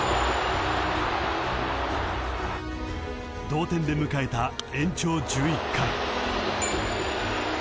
［同点で迎えた延長十一回］